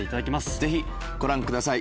ぜひご覧ください。